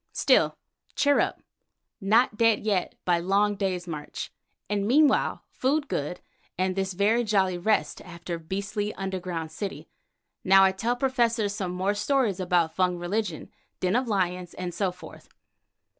Still, cheer up, not dead yet by long day's march, and meanwhile food good and this very jolly rest after beastly underground city. Now I tell Professor some more stories about Fung religion, den of lions, and so forth."